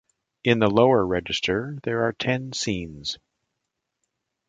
In the lower register, there are ten scenes.